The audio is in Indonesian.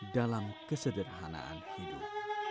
dalam kesederhanaan hidup